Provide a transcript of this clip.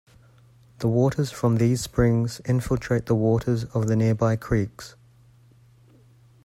The waters from these springs infiltrate the waters of the nearby creeks.